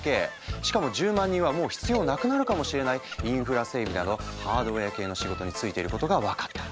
しかも１０万人はもう必要なくなるかもしれないインフラ整備などハードウェア系の仕事に就いていることが分かった。